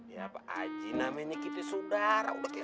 ya pak waji namanya kita sudah